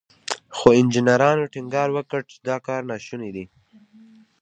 خو انجنيرانو ټينګار وکړ چې دا کار ناشونی دی.